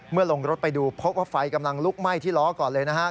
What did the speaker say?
ลงรถไปดูพบว่าไฟกำลังลุกไหม้ที่ล้อก่อนเลยนะครับ